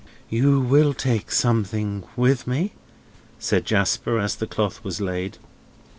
"You will take something with me?" said Jasper, as the cloth was laid.